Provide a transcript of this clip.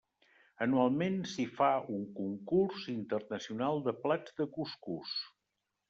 Anualment s'hi fa un concurs internacional de plats de cuscús.